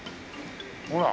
ほら。